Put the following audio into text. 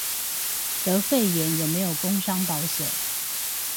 得肺炎有沒有工傷保險